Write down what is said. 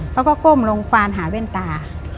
เขาก็ก้มลงควานหาเว้นตา